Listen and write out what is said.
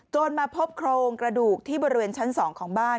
มาพบโครงกระดูกที่บริเวณชั้น๒ของบ้าน